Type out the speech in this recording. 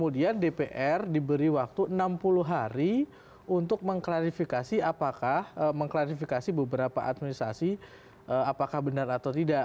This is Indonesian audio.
dpr diberi waktu enam puluh hari untuk mengklarifikasi apakah mengklarifikasi beberapa administrasi apakah benar atau tidak